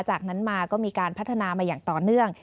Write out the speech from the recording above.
จากนั้นมาก็มีการพัฒนามาอย่างต่อเนื่อง